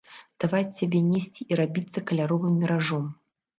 Даваць сябе несці і рабіцца каляровым міражом.